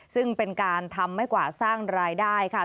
ซึ่งเป็นการทำให้กว่าสร้างรายได้ค่ะ